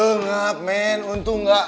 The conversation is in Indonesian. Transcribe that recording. untung gak ambil yang tujuh juta